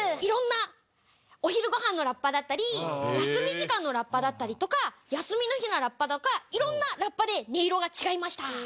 色んなお昼ご飯のラッパだったり休み時間のラッパだったりとか休みの日のラッパとか色んなラッパで音色が違いました。